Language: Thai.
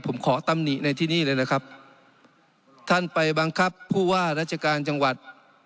ผมขอตำหนิในที่นี่เลยนะครับท่านไปบังคับผู้ว่าราชการจังหวัด